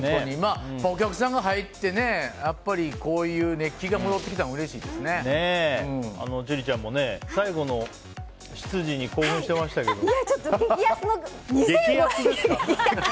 お客さんが入って熱気が戻ってきたのは千里ちゃんも、最後の執事に興奮してましたけど。